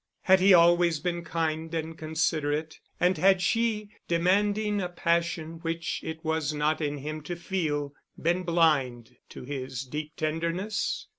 Had he always been kind and considerate; and had she, demanding a passion which it was not in him to feel, been blind to his deep tenderness?